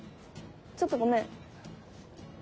ちょっとごめん。